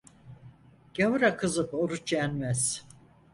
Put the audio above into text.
Gavura kızıp oruç yenmez.